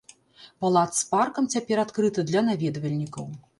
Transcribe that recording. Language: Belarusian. Палац з паркам цяпер адкрыты для наведвальнікаў.